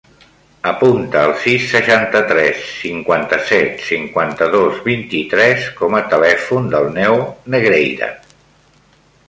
Apunta el sis, seixanta-tres, cinquanta-set, cinquanta-dos, vint-i-tres com a telèfon del Neo Negreira.